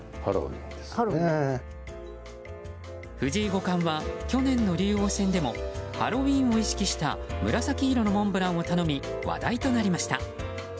藤井五冠は去年の竜王戦でもハロウィーンを意識した紫芋のモンブランを頼み話題となりました。